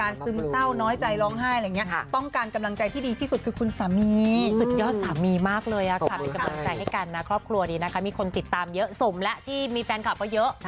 เราก็จะไม่ได้รับเลยครับ